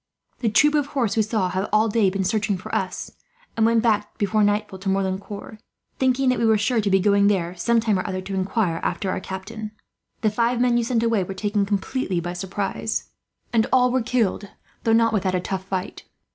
The troop of horse we saw have all day been searching for us, and went back before nightfall to Merlincourt; thinking that we should be sure to be going there, sometime or other, to inquire after our captain. The five men you sent were taken completely by surprise, and all were killed, though not without a tough fight.